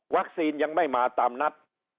วัคซีนยังไม่มาตามนัด